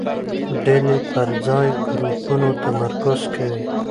ډلې پر ځای ګروپونو تمرکز کوي.